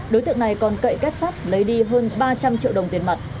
đối tượng này còn cậy két sắt lấy đi hơn ba trăm linh triệu đồng tiền mặt